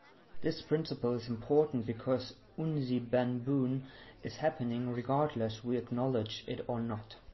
This principle is important because Unsibanbon is happening regardless we acknowledge it or not.